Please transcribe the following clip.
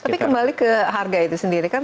tapi kembali ke harga itu sendiri kan